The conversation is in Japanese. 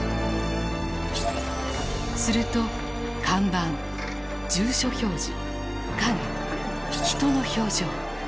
すると看板住所表示影人の表情。